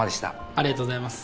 ありがとうございます。